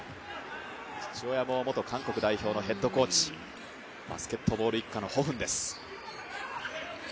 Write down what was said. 父親も元韓国代表のヘッドコーチバスケットボール一家のホ・フンです。